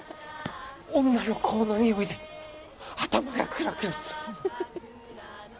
女の香のにおいで頭がクラクラする。